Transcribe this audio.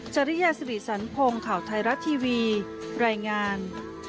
จริยาสิริสันพงศ์ข่าวไทยรัฐทีวีรายงาน